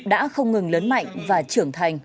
đã không ngừng lớn mạnh và trưởng thành